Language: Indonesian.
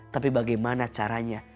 tapi bagaimana caranya